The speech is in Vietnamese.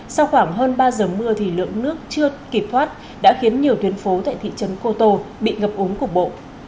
sau khoảng hơn ba giờ mưa thì lượng nước chưa kịp thoát đã khiến nhiều tuyến phố tại thị trấn cô tô bị ngập ống cục bộ